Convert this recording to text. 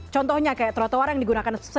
contohnya kayak trotoar yang digunakan